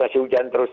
masih hujan terus